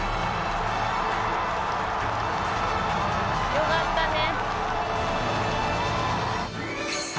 「よかったね！」